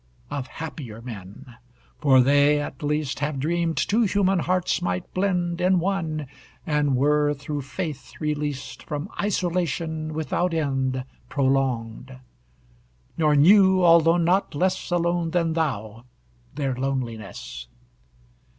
Of happier men for they, at least, Have dreamed two human hearts might blend In one, and were through faith released From isolation without end Prolonged; nor knew, although not less Alone than thou, their loneliness.